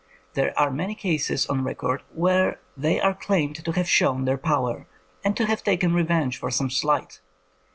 There are many cases on record where they are claimed to have shown their power, and to have taken revenge for some slight.